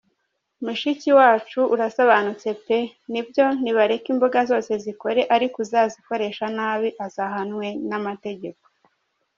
mushikiwacu urasobanutse pe nibyo nibareke imbuga zose zikore ariko uzazikoresha nabi azahanwe namategeko.